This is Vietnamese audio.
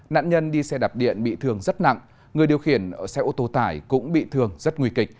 nạn nhân đi xe đạp điện bị thương rất nặng người điều khiển xe ô tô tải cũng bị thương rất nguy kịch